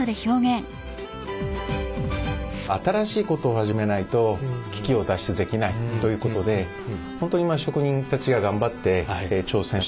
新しいことを始めないと危機を脱出できないということで本当に職人たちが頑張って挑戦してくれたんですね。